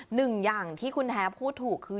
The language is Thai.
หนึ่งอย่างที่คุณแท้พูดถูกคือ